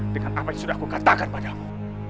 dengan apa yang sudah aku katakan padamu